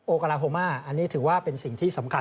กาลาโฮมาอันนี้ถือว่าเป็นสิ่งที่สำคัญ